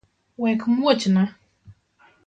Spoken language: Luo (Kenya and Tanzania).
Wekmuochna